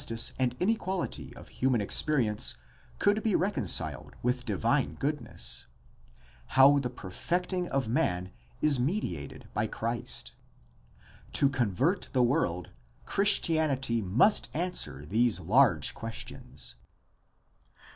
332 GUIDE TO STUDY OF CHRISTIAN RELIGION and inequality of human experience could be reconciled with divine goodness, how the perfecting of man is mediated by Christ. To convert the world Christianity must answer these large questions.